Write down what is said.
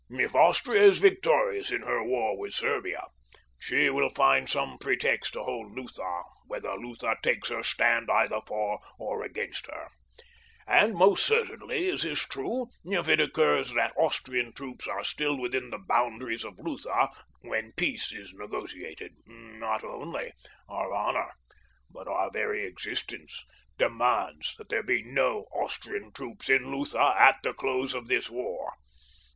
"If Austria is victorious in her war with Serbia, she will find some pretext to hold Lutha whether Lutha takes her stand either for or against her. And most certainly is this true if it occurs that Austrian troops are still within the boundaries of Lutha when peace is negotiated. Not only our honor but our very existence demands that there be no Austrian troops in Lutha at the close of this war.